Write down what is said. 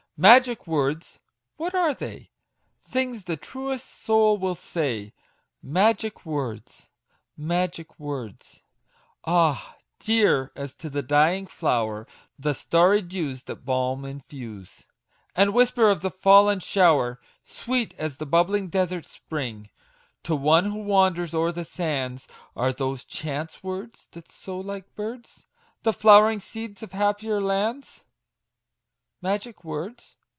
Magic words ! what are they ? Things the truest soul will say ! Magic words ! magic words ! Ah ! dear as to the dying flow'r, The starry dews that balm infuse, And whisper of the fallen shower ! Sweet as the bubbling desert spring To one who wanders o'er the sands, Are those chance words, that sow like birds The flowering seeds of happier lands ! Magic words